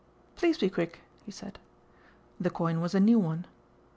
"Please be quick," he said. The coin was a new one.